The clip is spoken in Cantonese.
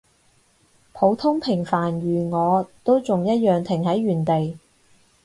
普通平凡如我，都仲一樣停喺原地